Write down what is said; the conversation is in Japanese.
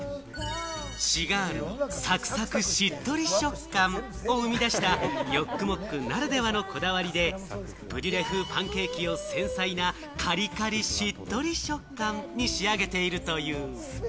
シガールにサクサクしっとり食感を生み出したヨックモックならではのこだわりで、ブリュレ風パンケーキを繊細なカリカリしっとり食感に仕上げているという。